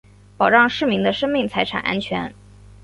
保障市民的生命财产安全